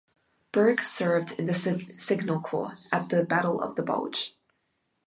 Berg served in the Signal Corps at the Battle of the Bulge.